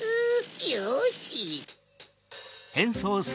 よし！